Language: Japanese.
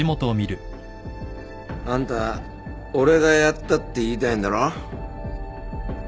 あんた俺がやったって言いたいんだろ？